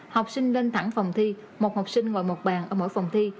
học sinh lên thẳng phòng thi một học sinh ngồi một bàn ở mỗi phòng thi